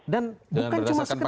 dan bukan cuma sekedar